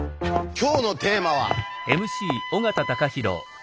今日のテーマは。